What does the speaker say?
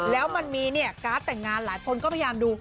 แล้วมันมีเนี่ยการ์ดแต่งงานหลายคนก็พยายามดู